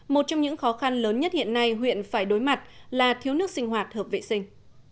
một trong những khó khăn lớn nhất hiện nay huyện phải đối mặt là thiếu nước sinh hoạt hợp vệ sinh